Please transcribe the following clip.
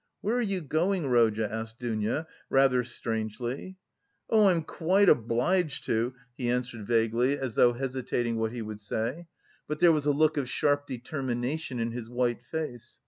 "Where are you going, Rodya?" asked Dounia rather strangely. "Oh, I'm quite obliged to..." he answered vaguely, as though hesitating what he would say. But there was a look of sharp determination in his white face.